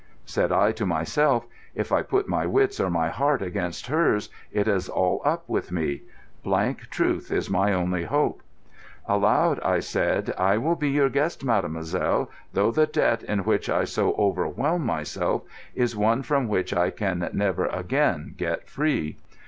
Said I to myself, "If I put my wits or my heart against hers it is all up with me. Blank truth is my only hope." Aloud I said, "I will be your guest, mademoiselle, though the debt in which I so overwhelm myself is one from which I can never again get free."